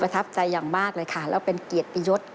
ทับใจอย่างมากเลยค่ะแล้วเป็นเกียรติยศ